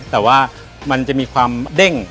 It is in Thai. แต่ว่ามันจะมีความเด้ง